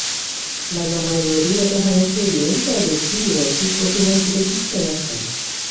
Mas a maioria permaneceria improdutiva se fosse mantida dispersa.